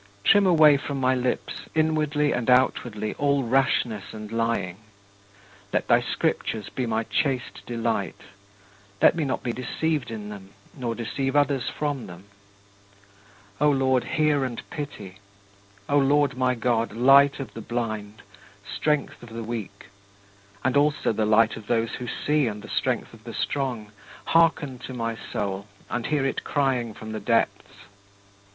Trim away from my lips, inwardly and outwardly, all rashness and lying. Let thy Scriptures be my chaste delight. Let me not be deceived in them, nor deceive others from them. O Lord, hear and pity! O Lord my God, light of the blind, strength of the weak and also the light of those who see and the strength of the strong hearken to my soul and hear it crying from the depths.